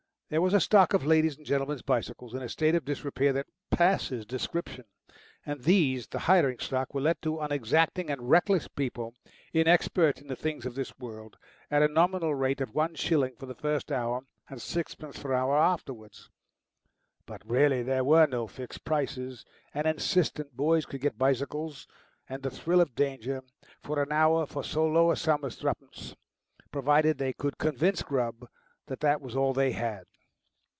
There was a stock of ladies' and gentlemen's bicycles in a state of disrepair that passes description, and these, the hiring stock, were let to unexacting and reckless people, inexpert in the things of this world, at a nominal rate of one shilling for the first hour and sixpence per hour afterwards. But really there were no fixed prices, and insistent boys could get bicycles and the thrill of danger for an hour for so low a sum as threepence, provided they could convince Grubb that that was all they had.